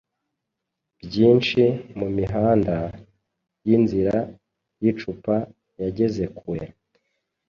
Byinshi mumihanda-yinzira yicupa yageze kure